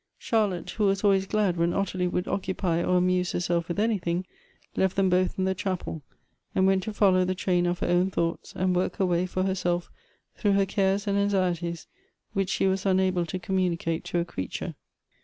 Charlotte, who was always glad when Ottilie would occupy or amuse herself with anything, left them both in the chapel, and went to follow the train of her own thoughts, and work her way for herself through her cares and anxieties which she was unable to communicate to a ci'eature.